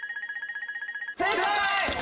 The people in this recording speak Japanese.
正解！